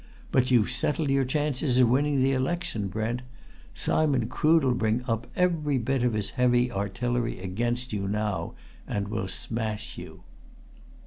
But you've settled your chances of winning that election, Brent! Simon Crood'll bring up every bit of his heavy artillery against you, now and will smash you!"